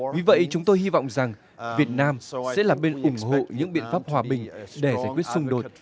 vì vậy chúng tôi hy vọng rằng việt nam sẽ là bên ủng hộ những biện pháp hòa bình để giải quyết xung đột